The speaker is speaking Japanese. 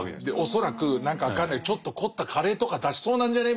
恐らく何か分かんないちょっと凝ったカレーとか出しそうなんじゃね？